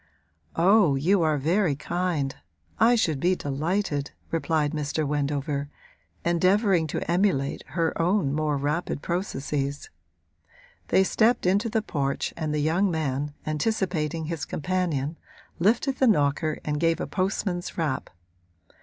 'Oh, you are very kind I should be delighted,' replied Mr. Wendover, endeavouring to emulate her own more rapid processes. They stepped into the porch and the young man, anticipating his companion, lifted the knocker and gave a postman's rap.